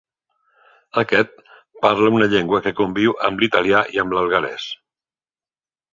Aquest parla una llengua que conviu amb l'¡talià i amb l'alguerès.